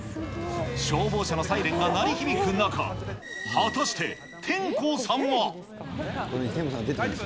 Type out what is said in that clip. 消防車のサイレンが鳴り響く中、果たして天功さんは。